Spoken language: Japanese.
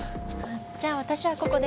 じゃあ私はここで。